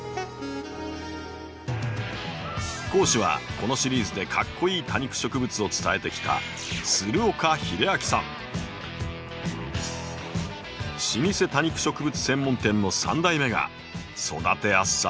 講師はこのシリーズでかっこイイ多肉植物を伝えてきた老舗多肉植物専門店の３代目が育てやすさ抜群の多肉を披露します。